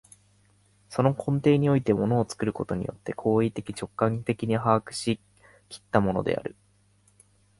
その根底において物を作ることによって行為的直観的に把握し来ったものである。